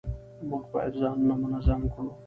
موږ باید ځانونه منظم کړو